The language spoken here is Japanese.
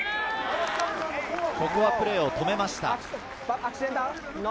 ここはプレーを止めました。